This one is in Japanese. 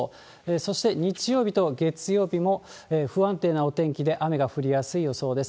そして日曜日と月曜日も不安定なお天気で雨が降りやすい予想です。